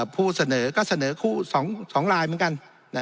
ผู้เสนอก็เสนอคู่๒ลายเหมือนกัน